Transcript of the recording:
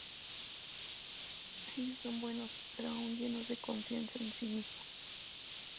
Ellos son buenos, pero aún llenos de confianza en sí mismos...